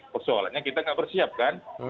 persoalannya kita nggak bersiapkan